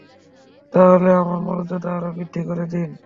তা হলে আমায় মর্যাদা আরও বৃদ্ধি করে দিন।